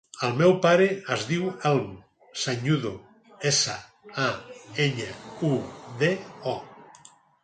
El meu pare es diu Elm Sañudo: essa, a, enya, u, de, o.